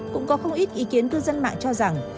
cũng có không ít ý kiến cư dân mạng cho rằng